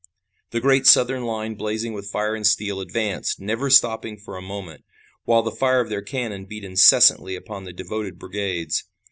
The great Southern line, blazing with fire and steel, advanced, never stopping for a moment, while the fire of their cannon beat incessantly upon the devoted brigades.